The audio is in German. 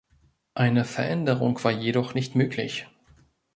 Eine Veränderung war jedoch nicht möglich.